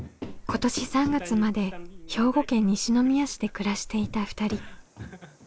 今年３月まで兵庫県西宮市で暮らしていた２人。